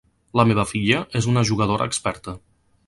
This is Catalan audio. La meva filla és una jugadora experta.